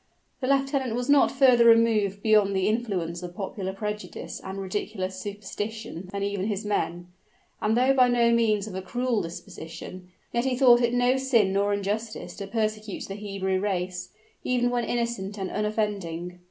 The lieutenant was not further removed beyond the influence of popular prejudice and ridiculous superstition than even his men: and though by no means of a cruel disposition, yet he thought it no sin nor injustice to persecute the Hebrew race, even when innocent and unoffending.